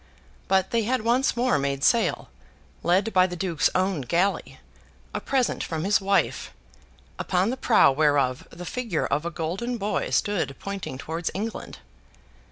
But they had once more made sail, led by the Duke's own galley, a present from his wife, upon the prow whereof the figure of a golden boy stood pointing towards England.